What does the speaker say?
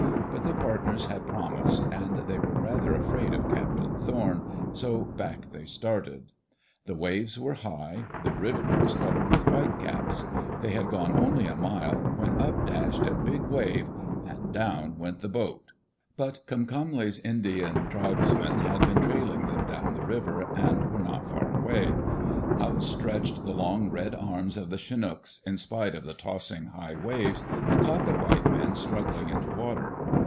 But the partners had promised, and they were rather afraid of Captain Thorn, so back they started. The waves were high; the river was covered with whitecaps. They had . Digitized by VjOOQ iC EARLY DAYS IN OLD OREGON gone only a mile when up dashed a big wave — and down went the boat I But Comcomly's Indian tribesmen had been trailing them down the river and were not far away. Out stretched the long red arms of the Chinooks, in spite of the tossing, high waves, and caught the white men struggling in the water.